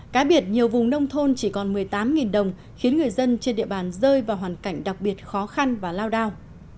cá biệt nhiều vùng nông thôn chỉ còn một mươi tám đồng khiến người dân trên địa bàn rơi vào hoàn cảnh đặc biệt khó khăn và lao đao